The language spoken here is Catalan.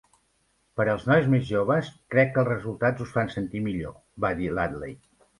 "Per als nois més joves, crec que els resultats us fan sentir millor", va dir l'Utley.